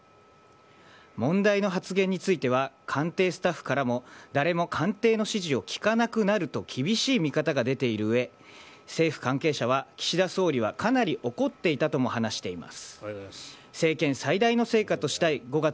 問題の発言については、官邸スタッフからも誰も官邸の指示を聞かなくなると、厳しい見方が出ているうえ、政府関係者は、岸田総理はかなり怒っていたとも話しています。